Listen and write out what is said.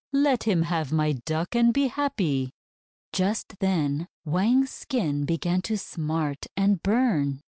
Let him have my Duck, and be happy!" Just then Wang's skin began to smart and burn.